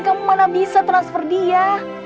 kamu tidak bisa transfer dia